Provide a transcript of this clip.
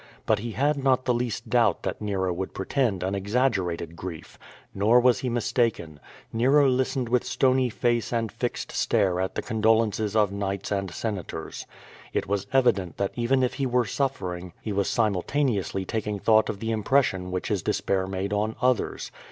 But he had not the least doubt that Nero would pretend an exaggerated grief. Nor was he mistaken. Nero listened with stony face and fixed stare to the condolences of Knights and Senators. It was evident that even if he were suffering he was simultaneously taking thought of the impression which his despair made on others.